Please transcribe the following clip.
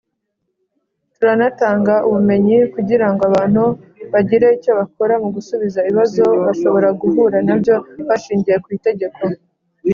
Turanatanga ubumenyi kugira ngo abantu bagire icyo bakora mu gusubiza ibibazo bashobora guhura nabyo bashingiye ku itegeko